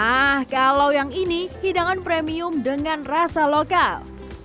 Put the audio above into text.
nah kalo yang ini hidangan premium dengan rasa lokal